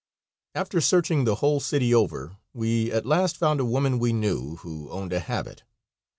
After searching the whole city over we at last found a woman we knew, who owned a habit.